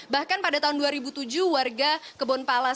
bahkan pada tahun dua ribu tujuh warga kebon palas